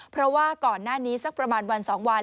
เพราะว่าก่อนหน้านี้สักประมาณวัน๒วัน